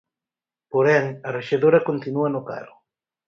Porén, a rexedora continúa no cargo.